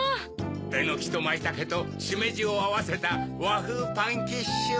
えのきとまいたけとしめじをあわせたわふうパンキッシュ。